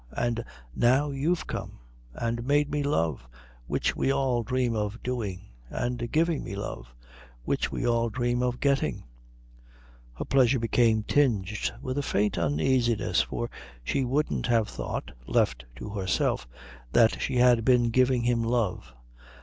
And now you've come, and made me love, which we all dream of doing, and given me love, which we all dream of getting " Her pleasure became tinged with a faint uneasiness, for she wouldn't have thought, left to herself, that she had been giving him love.